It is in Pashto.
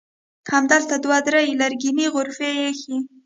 همدلته دوه درې لرګینې غرفې ایښي.